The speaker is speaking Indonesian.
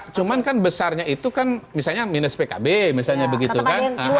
cuma kan besarnya itu kan misalnya minus pkb misalnya begitu kan